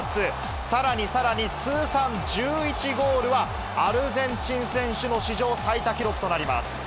さらにさらに、通算１１ゴールは、アルゼンチン選手の史上最多記録となります。